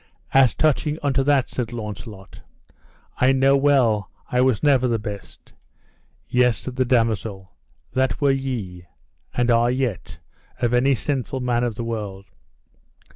As touching unto that, said Launcelot, I know well I was never the best. Yes, said the damosel, that were ye, and are yet, of any sinful man of the world.